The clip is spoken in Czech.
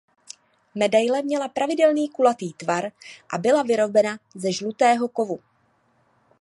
Medaile měla pravidelný kulatý tvar a byla vyrobena ze žlutého kovu.